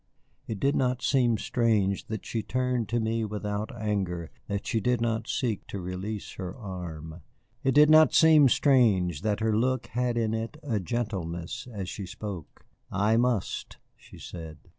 It did not seem strange that she turned to me without anger, that she did not seek to release her arm. It did not seem strange that her look had in it a gentleness as she spoke. "I must," she said.